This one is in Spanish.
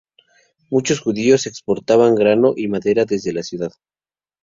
Muchos judíos exportaban grano y madera desde la ciudad.